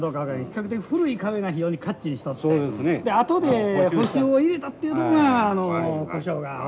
比較的古い壁が非常にかっちりしとってあとで補修を入れたっていうとこが故障が多いですよね。